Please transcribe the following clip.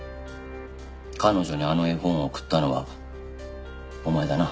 彼女にあの絵本を送ったのはお前だな。